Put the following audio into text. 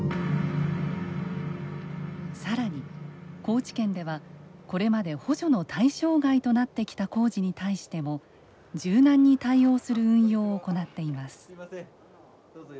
さらに高知県ではこれまで補助の対象外となってきた工事に対しても柔軟に対応する運用を行っています。